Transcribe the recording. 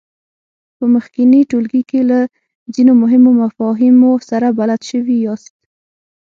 په مخکېني ټولګي کې له ځینو مهمو مفاهیمو سره بلد شوي یاست.